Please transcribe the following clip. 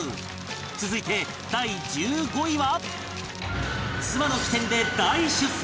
続いて第１５位は